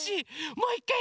もういいかい？